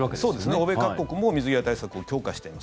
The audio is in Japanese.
欧米各国も水際対策を強化しています。